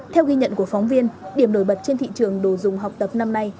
theo ghi nhận của phóng viên điểm nổi bật trên thị trường đồ dùng học tập năm nay